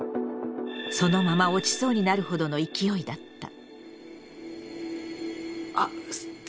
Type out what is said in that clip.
そのまま落ちそうになるほどの勢いだった。